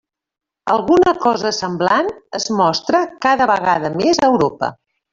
Alguna cosa semblant es mostra cada vegada més a Europa.